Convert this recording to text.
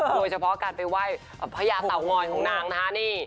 โดยเฉพาะการไปไหว้พระยาเตางอยของนางนะคะนี่